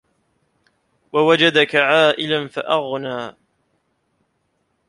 وَوَجَدَكَ عائِلًا فَأَغنى